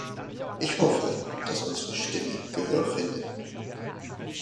Ich hoffe, dass unsere Stimme Gehör findet.